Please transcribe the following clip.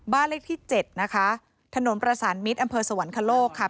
เลขที่เจ็ดนะคะถนนประสานมิตรอำเภอสวรรคโลกค่ะ